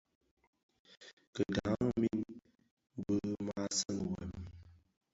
Kidhaň min bi maa seňi wêm,